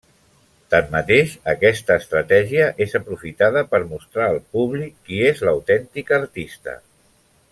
Tanmateix, aquesta estratègia és aprofitada per mostrar al públic qui és l'autèntica artista.